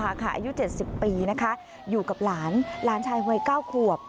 อายุ๗๐ปีนะคะอยู่กับหลานหลานชายวัย๙ขวบ